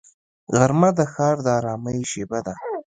غرمه د ښار د ارامۍ شیبه ده